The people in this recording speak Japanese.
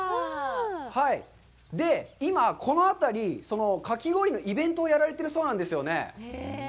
今、この辺り、かき氷のイベントをやられてるそうなんですよね。